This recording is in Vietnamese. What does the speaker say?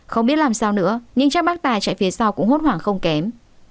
không biết làm sao nữa nhưng chắc bác tài chạy phía sau cũng hốt hoảng không kém